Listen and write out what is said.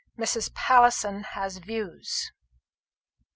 MRS. PALLINSON HAS VIEWS.